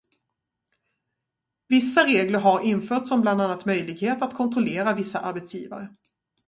Vissa regler har införts om bland annat möjlighet att kontrollera vissa arbetsgivare.